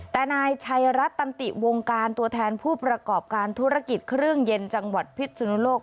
แต่นายชัยรัฐตันติวงการตัวแทนผู้ประกอบการธุรกิจเครื่องเย็นจังหวัดพิษสุนุโลก